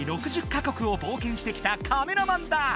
６０か国を冒険してきたカメラマンだ！